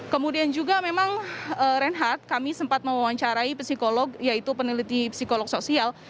kemudian juga memang renhardt kami sempat mewawancarai psikolog yaitu peneliti psikolog sosial